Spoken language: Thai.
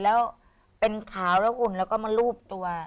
แล้วเป็นขาวแล้วอุ่นแล้วก็มารูปตัว